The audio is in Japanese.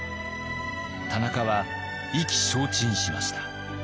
田中は意気消沈しました。